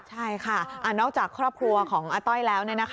ใช่ค่ะนอกจากครอบครัวของอาต้อยแล้ว